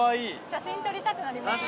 写真撮りたくなりますね